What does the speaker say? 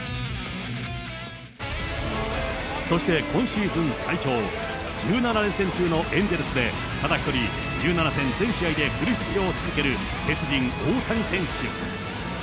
そして今シーズン最長、１７連戦中のエンゼルスでただ一人、１７戦全試合でフル出場を続ける鉄人、大谷選手。